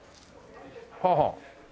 はあはあ。